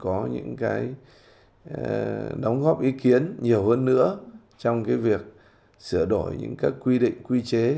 có những cái đóng góp ý kiến nhiều hơn nữa trong cái việc sửa đổi những các quy định quy chế